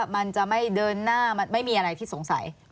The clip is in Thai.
มันจะไม่เดินหน้าไม่มีอะไรที่สงสัย